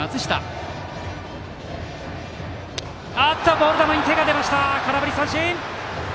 ボール球に手が出て空振り三振！